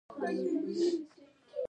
افغانستان لویو قدرتونو ته ماتې ورکړي